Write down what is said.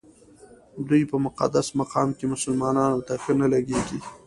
دوی په مقدس مقام کې مسلمانانو ته ښه نه لګېږي.